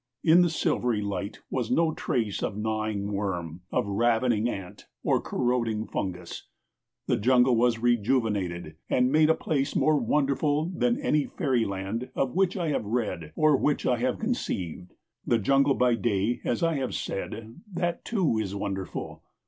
In the silvery light was no trace of gnawing worm, of ravening ant, or corroding fungus. The jungle was rejuvenated and made a place more wonderful than any fairyland of which I have read or which I have conceived. The jungle by day, as I have said that, too, is wonderful.